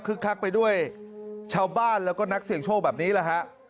คักไปด้วยชาวบ้านแล้วก็นักเสี่ยงโชคแบบนี้แหละฮะ